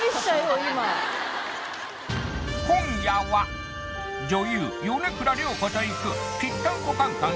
今今夜は女優米倉涼子といく「ぴったんこカン・カン」